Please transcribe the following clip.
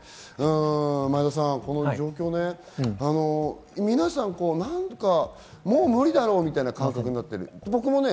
前田さん、皆さんもう無理だろうみたいな感覚になっています。